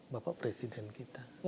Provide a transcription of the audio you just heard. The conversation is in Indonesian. bapak presiden kita